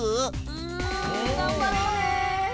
うんがんばろうね。